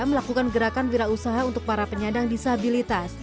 melakukan gerakan wira usaha untuk para penyandang disabilitas